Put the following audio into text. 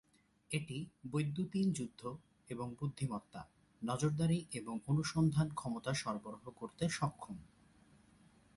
এটি বৈদ্যুতিন যুদ্ধ এবং বুদ্ধিমত্তা, নজরদারি এবং অনুসন্ধান ক্ষমতা সরবরাহ করতে সক্ষম।